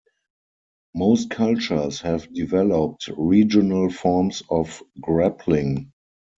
Most cultures have developed regional forms of grappling.